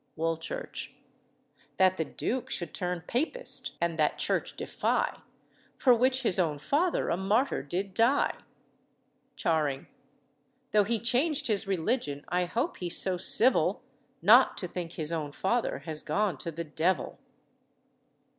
WOOLCHURCH. That the Duke should turn Papist and that church defy For which his own father a martyr did die. CHARING. Tho' he changed his religion, I hope he's so civil Not to think his own father has gone to the devil."